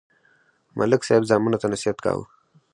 ملک صاحب زامنو ته نصیحت کاوه.